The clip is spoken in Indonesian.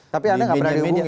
tapi anda nggak pernah diumumkan